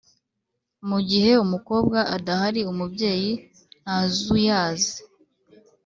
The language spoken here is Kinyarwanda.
mu gihe umukobwa adahari, umubyeyi ntazuyaze